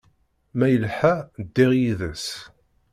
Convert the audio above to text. Ma yelḥa, ddiɣ yid-s.